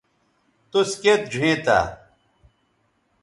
توس کیئت ڙھئیں تھا